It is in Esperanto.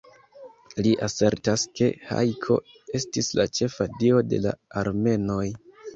Li asertas ke Hajko estis la ĉefa dio de la armenoj.